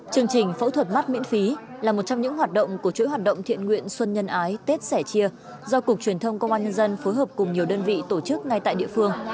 chương trình phẫu thuật mắt miễn phí là một trong những hoạt động của chuỗi hoạt động thiện nguyện xuân nhân ái tết sẻ chia do cục truyền thông công an nhân dân phối hợp cùng nhiều đơn vị tổ chức ngay tại địa phương